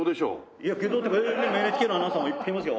いや外道ってＮＨＫのアナウンサーもいっぱいいますよ。